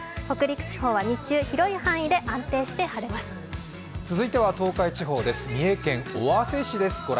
北陸地方は日中、広い範囲で安定して晴れます。